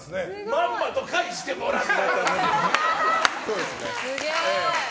まんまと返してもらったぞ！